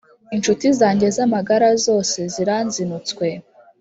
incuti zanjye z’amagara zose ziranzinutswe,